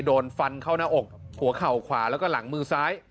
โดนฟันเข้าหน้าอกหัวเข่าขวาแล้วก็หลังมือซ้าย